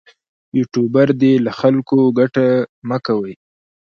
یوټوبر دې له خلکو ګټه مه کوي.